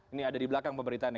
ini ada di belakang pemberitaannya